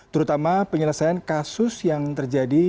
terutama penyelesaian kasus yang terjadi